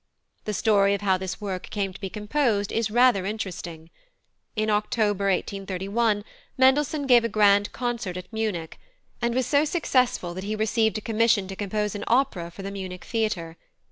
The story of how this work came to be composed is rather interesting. In October 1831, Mendelssohn gave a grand concert at Munich, and was so successful that he received a commission to compose an opera for the Munich theatre.